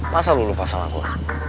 masa lu lupa sama gua